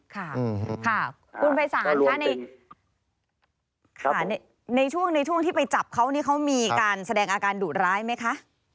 ค่ะคุณภัยศาลในช่วงที่ไปจับเขานี่เขามีการแสดงอาการดูดร้ายไหมคะ